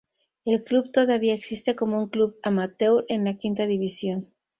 El club todavía existe como un club amateur en la quinta división.